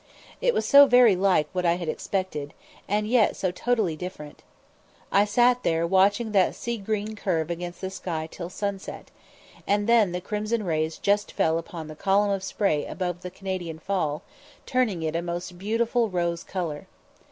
It was so very like what I had expected, and yet so totally different. I sat there watching that sea green curve against the sky till sunset, and then the crimson rays just fell upon the column of spray above the Canadian Fall, turning it a most beautiful rose colour.